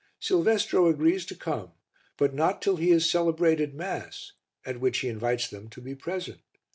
Silvestro agrees to come, but not till he has celebrated Mass, at which he invites them to be present.